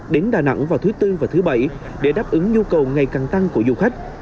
đến đà nẵng vào thứ tư và thứ bảy để đáp ứng nhu cầu ngày càng tăng của du khách